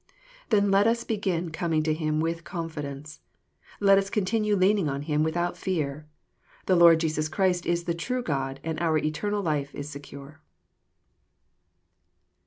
Then let us begin coming to Him with confidence. Let us continue leaning on Him without fear. The Lord Jesus Christ is the true God, and our eternal life is secure.